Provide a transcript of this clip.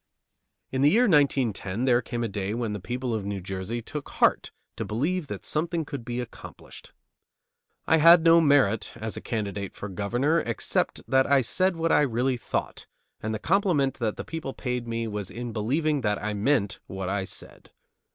In the year 1910 there came a day when the people of New Jersey took heart to believe that something could be accomplished. I had no merit as a candidate for Governor, except that I said what I really thought, and the compliment that the people paid me was in believing that I meant what I said.